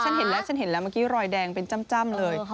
ฉันเห็นแล้วฉันเห็นแล้วเมื่อกี้รอยแดงเป็นจ้ำเลย